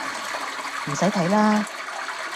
唔使睇喇